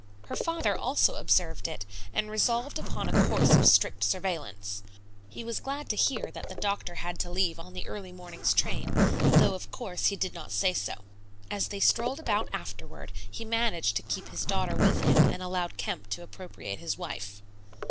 Her father also observed it, and resolved upon a course of strict surveillance. He was glad to hear that the doctor had to leave on the early morning's train, though, of course, he did not say so. As they strolled about afterward, he managed to keep his daughter with him and allowed Kemp to appropriate his wife.